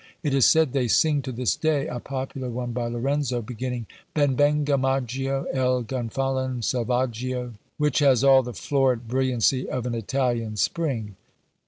It is said they sing to this day a popular one by Lorenzo, beginning Ben venga Maggio E 'l gonfalon selvaggio, which has all the florid brilliancy of an Italian spring.